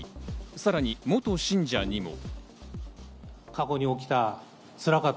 さらに元信者にも。